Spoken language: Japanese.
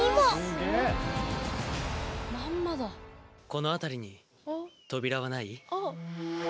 この辺りに扉はない？